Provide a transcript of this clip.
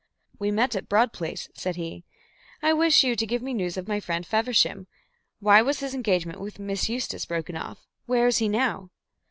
"We met at Broad Place," said he. "I wish you to give me news of my friend Feversham. Why was his engagement with Miss Eustace broken off? Where is he now?"